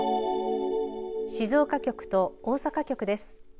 静岡局と大阪局です。